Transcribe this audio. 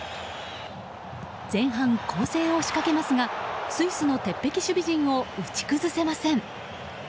前半、攻勢を仕掛けますがスイスの鉄壁守備陣を打ち崩せません。